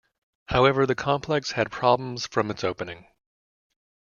However, the complex had problems from its opening.